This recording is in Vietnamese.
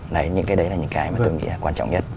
đấy những cái đấy là những cái mà tôi nghĩ là quan trọng nhất